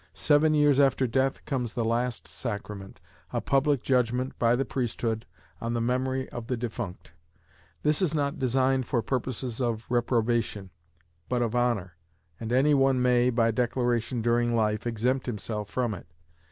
Seven years after death, comes the last Sacrament: a public judgment, by the priesthood, on the memory of the defunct. This is not designed for purposes of reprobation, but of honour, and any one may, by declaration during life, exempt himself from it.